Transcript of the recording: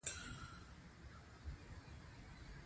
افغانستان د ژبې په اړه مشهور تاریخی روایتونه لري.